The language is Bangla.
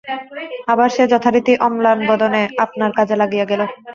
আবার সে যথারীতি অম্লানবদনে আপনার কাজে লাগিয়া গেল।